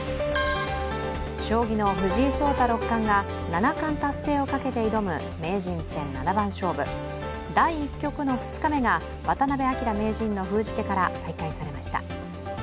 将棋の藤井聡太六冠が七冠達成をかけて挑む名人戦七番勝負第１局の２日目が渡辺明名人の封じ手から再開されました。